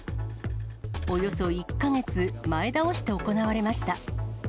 およそ１か月前倒して行われました。